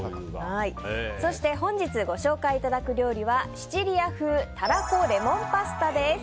そして本日ご紹介いただく料理はシチリア風タラコレモンパスタ。